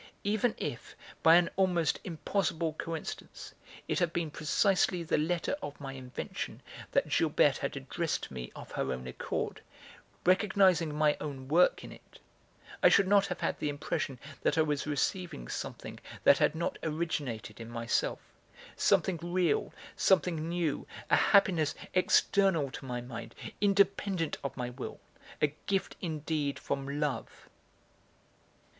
Even if, by an almost impossible coincidence, it had been precisely the letter of my invention that Gilberte had addressed to me of her own accord, recognising my own work in it I should not have had the impression that I was receiving something that had not originated in myself, something real, something new, a happiness external to my mind, independent of my will, a gift indeed from love.